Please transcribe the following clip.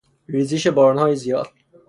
ریزش باران های زیاد